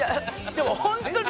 でもホントに。